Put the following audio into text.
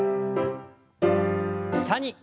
下に。